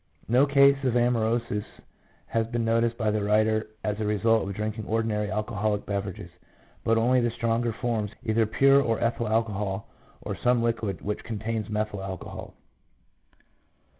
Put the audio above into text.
No case of amaurosis has been noticed by the writer as a result of drinking ordinary alcoholic beverages, 1 but only the stronger forms, either pure or ethyl alcohol, or some liquid which contains methyl alcohol.